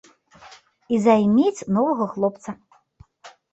І займець новага хлопца.